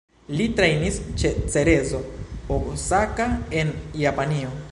Li trejnis ĉe Cerezo Osaka en Japanio.